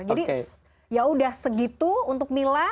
jadi yaudah segitu untuk mila